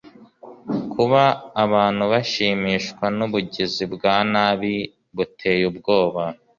kuba abantu bashimishwa nubugizi bwa nabi buteye ubwoba